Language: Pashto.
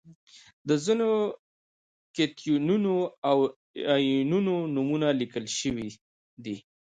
د ځینو کتیونونو او انیونونو نومونه لیکل شوي دي.